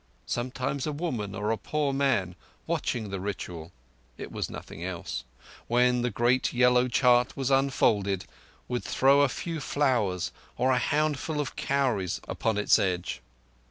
Sometimes a woman or a poor man, watching the ritual—it was nothing less—when the great yellow chart was unfolded, would throw a few flowers or a handful of cowries upon its edge.